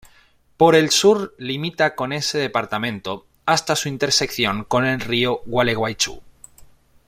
Por el sur limita con ese departamento hasta su intersección con el río Gualeguaychú.